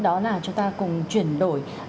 đó là chúng ta cùng chuyển đổi